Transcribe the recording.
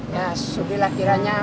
ya sudilah kiranya